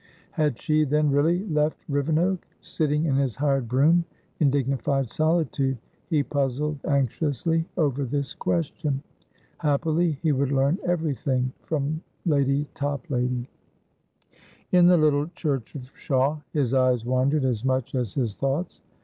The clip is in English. Had she, then, really left Rivenoak? Sitting in his hired brougham, in dignified solitude, he puzzled anxiously over this question. Happily, he would learn everything from Lady Toplady. In the little church of Shawe, his eyes wandered as much as his thoughts.